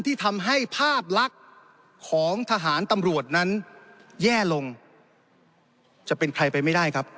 ที่ทำให้ภาพลักษณ์ของทหารตำรวจนั้นแย่ลงจะเป็นใครไปไม่ได้ครับ